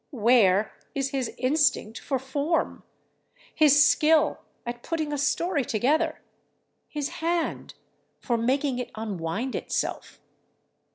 Where is his instinct for form, his skill at putting a story together, his hand for making it unwind itself?